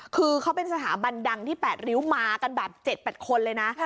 คือเขาเป็นสถาบันดังที่๘ริ้วมากันแบบ๗๘คนเลยนะ